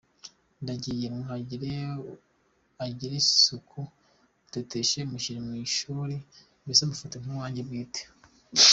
Ndagiye mwuhagire agire isuku, muteteshe, mushyire mu ishuri mbese mufate nk’uwanjye bwite.